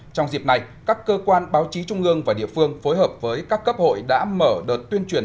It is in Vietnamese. trong dịp này các cơ quan báo chí trung ương và địa phương phối hợp với các cấp hội đã mở đợt tuyên truyền